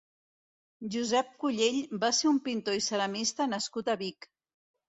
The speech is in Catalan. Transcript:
Josep Collell va ser un pintor i ceramista nascut a Vic.